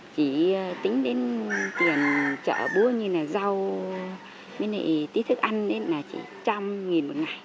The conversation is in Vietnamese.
chỉ tính đến tiền chợ búa như là rau với tí thức ăn là chỉ một trăm linh nghìn một ngày